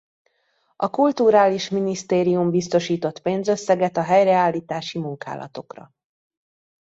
A kulturális minisztérium biztosított pénzösszeget a helyreállítási munkálatokra.